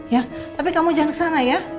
ya tapi kamu jangan ke sana ya